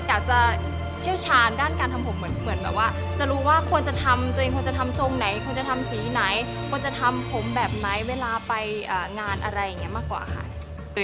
อยากจะเชี่ยวชาญด้านการทำผมเหมือนแบบว่าจะรู้ว่าควรจะทำตัวเองควรจะทำทรงไหนควรจะทำสีไหนควรจะทำผมแบบไหนเวลาไปงานอะไรอย่างนี้มากกว่าค่ะ